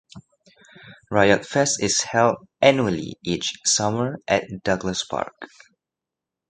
Riot Fest is held annually each summer at Douglass Park.